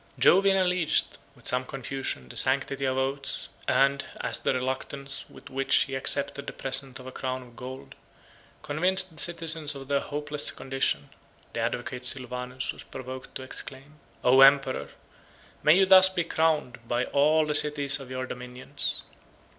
Jovian alleged, with some confusion, the sanctity of oaths; and, as the reluctance with which he accepted the present of a crown of gold, convinced the citizens of their hopeless condition, the advocate Sylvanus was provoked to exclaim, "O emperor! may you thus be crowned by all the cities of your dominions!"